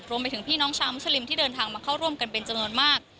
พี่น้องชาวมุสลิมที่เดินทางมาเข้าร่วมกันเป็นจำนวนมาก